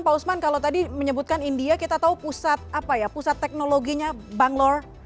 pak usman kalau tadi menyebutkan india kita tahu pusat apa ya pusat teknologinya bang lor